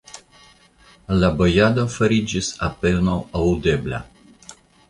La bojado fariĝis apenaŭ aŭdebla.